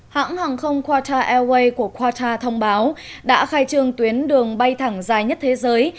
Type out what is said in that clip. hãng hàng không qatar airways của qatar thông báo đã khai trường tuyến đường bay thẳng dài nhất thế giới